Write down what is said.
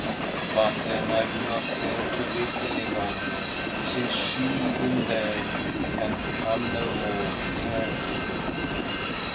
But then I do not care to live any longer, since she, in there, can come no more to care for me."